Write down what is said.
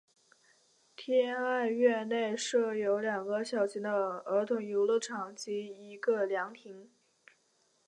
天爱苑内设有两个小型的儿童游乐场及一个凉亭。